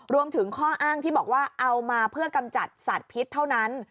รวมถึงข้ออ้างที่บอกว่าเอามาเพื่อกำจัดสัตว์พิษเท่านั้น